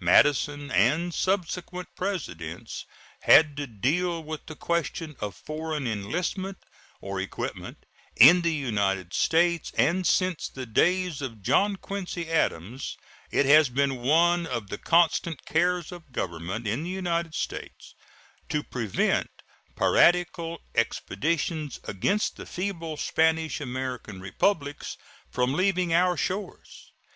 Madison and subsequent Presidents had to deal with the question of foreign enlistment or equipment in the United States, and since the days of John Quincy Adams it has been one of the constant cares of Government in the United States to prevent piratical expeditions against the feeble Spanish American Republics from leaving our shores.